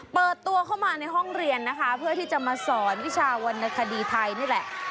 เปิดตัวเข้ามาในห้องเรียนนะคะเพื่อที่จะมาสอนวิชาวรรณคดีไทยนี่แหละ